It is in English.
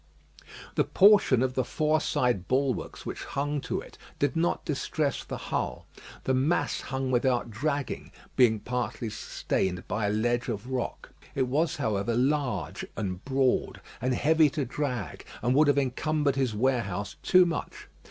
The portion of the fore side bulwarks which hung to it did not distress the hull. The mass hung without dragging, being partly sustained by a ledge of rock. It was, however, large and broad, and heavy to drag, and would have encumbered his warehouse too much.